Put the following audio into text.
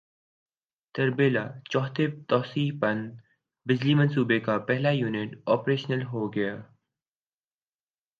تربیلا چوتھے توسیعی پن بجلی منصوبے کا پہلا یونٹ پریشنل ہوگیا